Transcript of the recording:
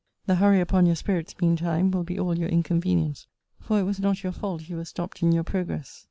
The hurry upon your spirits, mean time, will be all your inconvenience; for it was not your fault you were stopped in your progress.